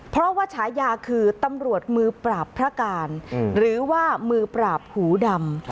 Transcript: เพราะว่าฉายาคือตำรวจมือปราบพระการหรือว่ามือปราบหูดำ